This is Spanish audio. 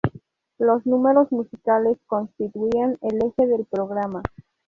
Los números musicales constituían el eje del programa.